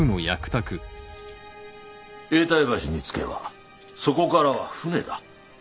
永代橋に着けばそこからは船だ。